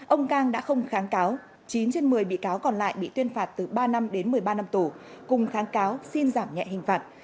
ông cang đã không kháng cáo chín trên một mươi bị cáo còn lại bị tuyên phạt từ ba năm đến một mươi ba năm tù cùng kháng cáo xin giảm nhẹ hình phạt